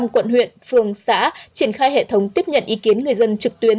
một trăm linh quận huyện phường xã triển khai hệ thống tiếp nhận ý kiến người dân trực tuyến